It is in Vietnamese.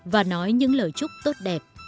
và nói những lời chúc tốt đẹp